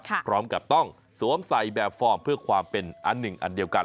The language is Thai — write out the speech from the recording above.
พร้อมกับต้องสวมใส่แบบฟอร์มเพื่อความเป็นอันหนึ่งอันเดียวกัน